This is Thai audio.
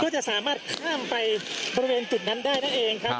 จะสามารถข้ามไปบริเวณจุดนั้นได้นั่นเองครับ